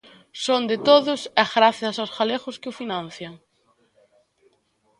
Son de todos e grazas aos galegos, que os financian.